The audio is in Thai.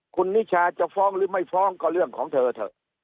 คุณนิชาจะฟ้องหรือไม่ฟ้องก็เรื่องของเธอเถอะ